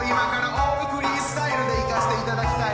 オールフリースタイルでいかして頂きたい